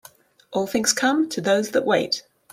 All things come to those that wait.